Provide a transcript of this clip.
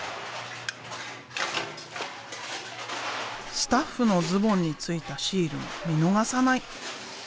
スタッフのズボンについたシールも見逃さない。